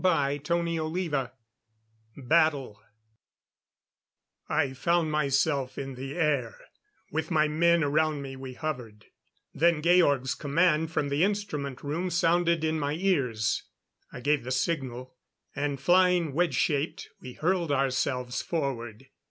CHAPTER XXXVII Battle I found myself in the air; with my men around me we hovered. Then Georg's command from the instrument room sounded in my ears. I gave the signal; and flying wedge shaped, we hurled ourselves forward.